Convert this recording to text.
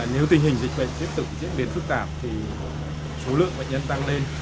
nếu tình hình dịch bệnh tiếp tục diễn biến phức tạp thì số lượng bệnh nhân tăng lên